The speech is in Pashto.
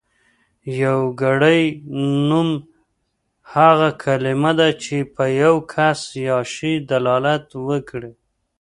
يوګړی نوم هغه کلمه ده چې په يو کس يا شي دلالت وکړي.